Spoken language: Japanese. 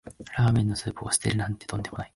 ラーメンのスープを捨てるなんてとんでもない